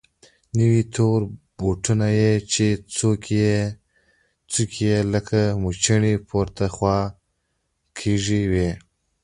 نوي تور بوټونه يې چې څوکې يې لکه موچڼې پورته خوا کږې وې.